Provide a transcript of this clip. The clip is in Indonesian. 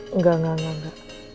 enggak enggak enggak